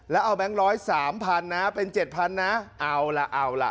แล้วเอาแบงค์๑๐๓๐๐๐นะเป็น๗๐๐๐นะเอาล่ะเอาล่ะ